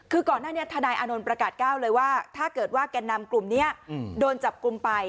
คือก่อนหน้านี้ทนายอานนท์ประกาศก้าวเลยว่าถ้าเกิดว่าแก่นำกลุ่มนี้โดนจับกลุ่มไป